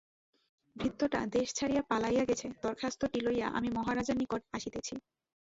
ভৃত্যটা দেশ ছাড়িয়া পলাইয়া গেছে, দরখাস্তটি লইয়া আমি মহারাজার নিকট আসিতেছি।